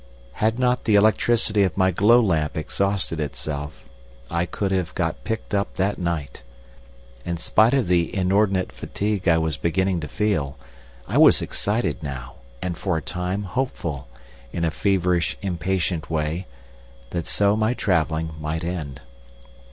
Had not the electricity of my glow lamp exhausted itself, I could have got picked up that night. In spite of the inordinate fatigue I was beginning to feel, I was excited now, and for a time hopeful, in a feverish, impatient way, that so my travelling might end.